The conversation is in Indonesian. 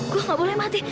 gue nggak boleh mati